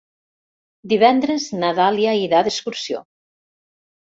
Divendres na Dàlia irà d'excursió.